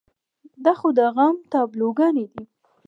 دا خو د غم تابلوګانې دي.